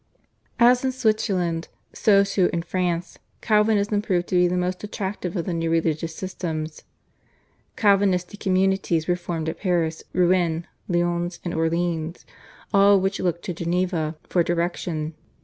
As in Switzerland, so too in France Calvinism proved to be the most attractive of the new religious systems. Calvinistic communities were formed at Paris, Rouen, Lyons and Orleans, all of which looked to Geneva for direction.